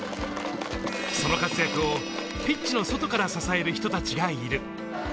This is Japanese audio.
その活躍をピッチの外から支える人たちがいる。